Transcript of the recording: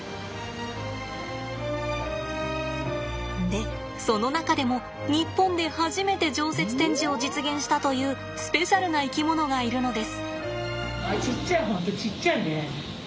でその中でも日本で初めて常設展示を実現したというスペシャルな生き物がいるのです。